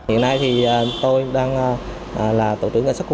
hiện nay thì tôi đang là tổ trưởng ngành sát quân